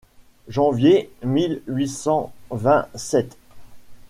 Janvier mille huit cent vingt-sept.